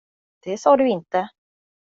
Det sa du inte.